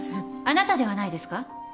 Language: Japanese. あなたではないですか？